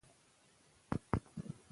د خپل وطن په ویاړ وژونده.